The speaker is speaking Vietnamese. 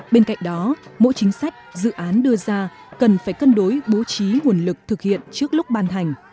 bên cạnh đó mỗi chính sách dự án đưa ra cần phải cân đối bố trí nguồn lực thực hiện trước lúc ban hành